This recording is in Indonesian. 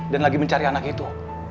dan lagi mencari anak itu